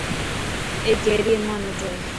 اي ڪيري امانت هي.